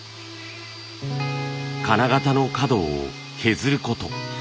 金型の角を削ること。